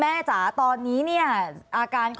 อันดับที่สุดท้าย